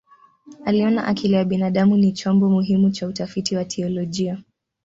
Aliona akili ya binadamu ni chombo muhimu cha utafiti wa teolojia.